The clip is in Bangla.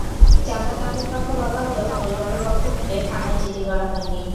চাঁদা দাবির কথা বলা হলেও পরিবারের পক্ষ থেকে থানায় জিডি করা হয়নি।